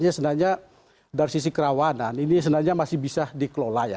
jadi sebenarnya dari sisi kerawanan ini sebenarnya masih bisa dikelola ya